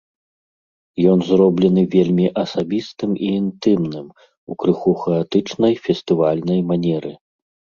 Ён зроблены вельмі асабістым і інтымным, у крыху хаатычнай фестывальнай манеры.